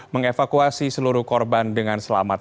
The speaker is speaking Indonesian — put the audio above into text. meng evakuasi seluruh korban dengan selamat